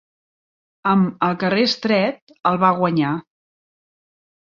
Amb El carrer estret, el va guanyar.